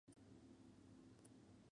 Phnom Penh es evacuada completamente.